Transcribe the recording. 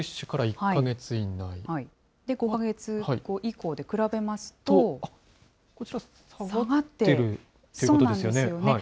で、５か月後以降で比べますこちら、下がってるってことそうなんですよね。